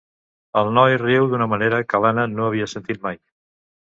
El noi riu d'una manera que l'Anna no havia sentit mai.